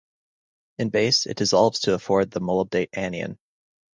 In base, it dissolves to afford the molybdate anion.